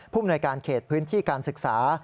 ผู้ให้การเขตพื้นที่การศึกษา